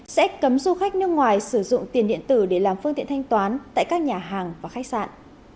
sẽ cấm du khách nước ngoài sử dụng tiền điện tử để làm phương tiện thanh toán tại các nhà hàng và khách sạn